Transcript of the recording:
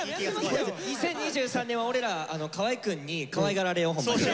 ２０２３年は俺ら河合くんにかわいがられようほんまに。